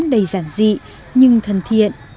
đầy giản dị nhưng thần thiện